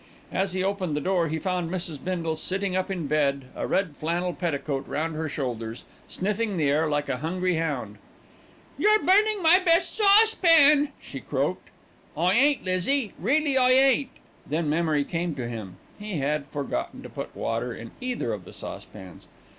As he opened the door, he found Mrs. Bindle sitting up in bed, a red flannel petticoat round her shoulders, sniffing the air like a hungry hound. "You're burning my best saucepan," she croaked. "I ain't, Lizzie, reelly I ain't " Then memory came to him. He had forgotten to put water in either of the saucepans.